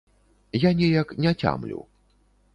Я неяк не цямлю.